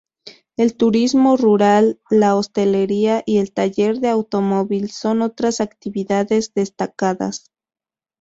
El turismo rural, la hostelería y el taller de automóvil son otras actividades destacadas.